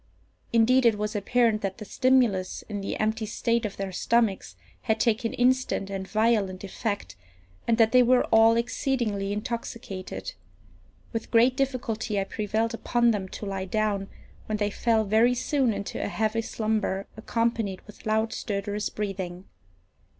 Indeed, it was apparent that the stimulus, in the empty state of their stomachs, had taken instant and violent effect, and that they were all exceedingly intoxicated. With great difficulty I prevailed upon them to lie down, when they fell very soon into a heavy slumber, accompanied with loud stertorous breathing.